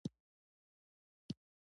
جوجو د ښوونځي مدیر ته اشاره وکړه.